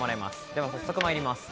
では早速参ります。